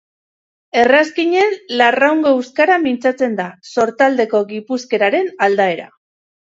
Errazkinen Larraungo euskara mintzatzen da, sortaldeko gipuzkeraren aldaera.